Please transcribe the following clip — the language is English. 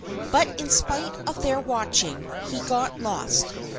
But in spite of their watching, he got lost.